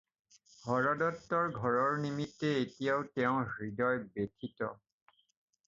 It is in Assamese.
হৰদত্তৰ ঘৰৰ নিমিত্তে এতিয়াও তেওঁৰ হৃদয় ব্যথিত।